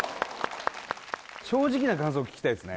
正直な感想聞きたいですね